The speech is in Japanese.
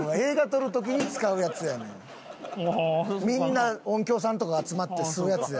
みんな音響さんとかが集まって吸うやつや。